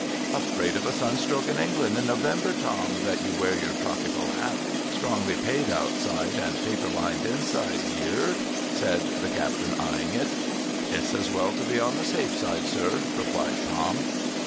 ' Afraid of a sun stroke in England in November, Tom, that you wear your tropical hat, strongly paid outside and paper lined inside, here ?' said the captain, eyeing it. ' It's as well to be on the safe side, sir,' replied Tom.